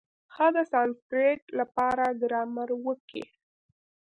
هغه د سانسکرېټ له پاره ګرامر وکېښ.